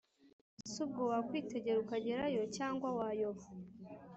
subwo wakwitegera ukagerayo cyangwa wayoba